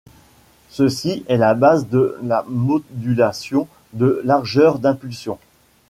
Ceci est la base de la modulation de largeur d'impulsion.